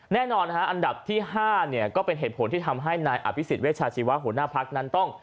แน่นอนอันดับที่๕เนี่ยก็เป็นเหตุผลที่ทำให้นายอภิษฎเวชาชีวะหัวหน้าพักนั้นต้อง